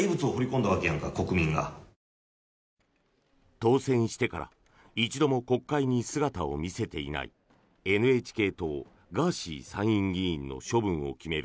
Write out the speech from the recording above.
当選してから一度も国会に姿を見せていないＮＨＫ党、ガーシー参議院議員の処分を決める